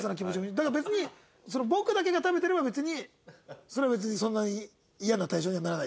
だから別に僕だけが食べてれば別にそれは別にそんなにイヤな対象にはならない？